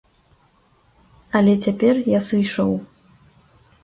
Але цяпер я сышоў.